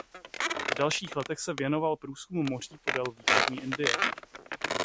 V dalších letech se věnoval průzkumu moří podél Východní Indie.